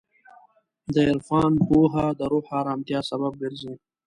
د عرفان پوهه د روح ارامتیا سبب ګرځي.